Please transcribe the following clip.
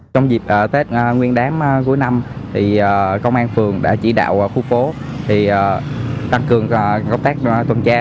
trong dịp tết nguyên đám cuối năm công an phường đã chỉ đạo khu phố tăng cường công tác tuần tra